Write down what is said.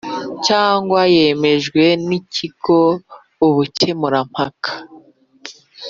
cyangwa yemejwe n Ikigo ubukemurampaka